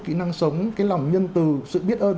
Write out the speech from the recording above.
kỹ năng sống cái lòng nhân từ sự biết ơn